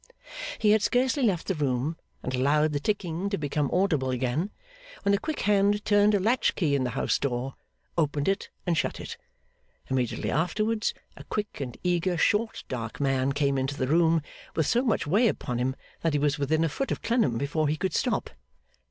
He had scarcely left the room, and allowed the ticking to become audible again, when a quick hand turned a latchkey in the house door, opened it, and shut it. Immediately afterwards, a quick and eager short dark man came into the room with so much way upon him that he was within a foot of Clennam before he could stop.